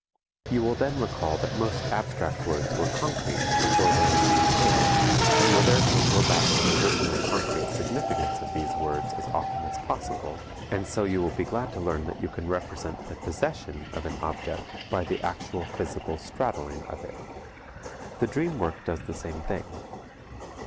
You will then recall that most abstract words were concrete before their meaning paled, and will therefore go back to the original concrete significance of these words as often as possible, and so you will be glad to learn that you can represent the "possession" of an object by the actual physical straddling of it. The dream work does the same thing.